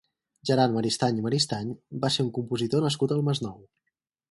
Gerard Maristany i Maristany va ser un compositor nascut al Masnou.